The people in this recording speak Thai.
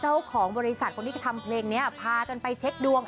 เจ้าของบริษัทคนที่ทำเพลงนี้พากันไปเช็คดวง